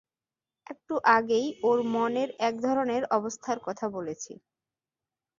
একটু আগেই ওর মনের একধরনের অবস্থার কথা বলেছি।